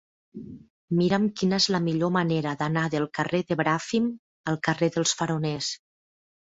Mira'm quina és la millor manera d'anar del carrer de Bràfim al carrer dels Faroners.